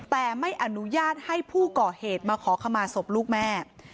แต่ไม่อนุญาตให้ผู้ก่อเหตุมาขอขมาศพลูกแม่